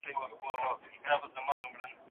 اوسنی سړي سر عاید د تیرو کلونو په پرتله ډیر سوی دی.